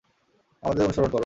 আমাদের অনুসরণ করো।